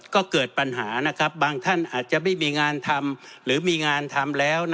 ก็เกิดปัญหาบางท่านอาจจะไม่มีงานทำหรือมีงานทำแล้ว